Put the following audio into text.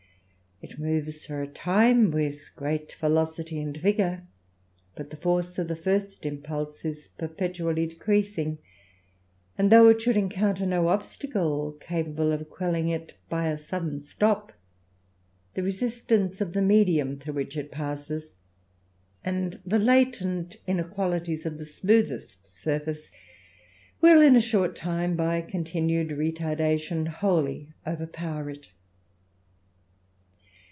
It moves for a time with great velocity and vigour, but the force of the first impulse is THE RAMBLER, 145 perpetually decreasing, and, though it should encounter no obstacle capable of quelling it by a sudden stop, the resist ance of the medium through which it passes, and the latent inequalities of the smoothest surface, will in a short time, by continued retardation, wholly overpower it.